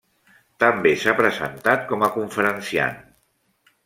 També s'ha presentat com a conferenciant.